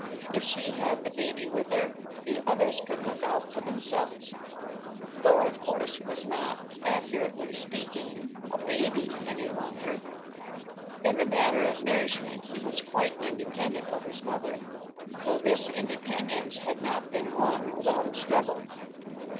If she had the baby with her, the others could look out for themselves. Thor, of course, was not, accurately speaking, a baby any longer. In the matter of nourishment he was quite independent of his mother, though this independence had not been won without a struggle.